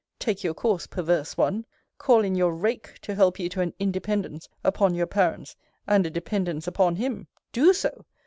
Take your course, perverse one! Call in your rake to help you to an independence upon your parents, and a dependence upon him! Do so!